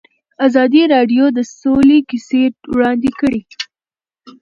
ازادي راډیو د سوله کیسې وړاندې کړي.